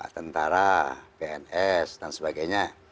tentara pns dan sebagainya